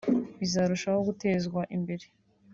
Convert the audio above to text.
bizarushaho gutezwa imbere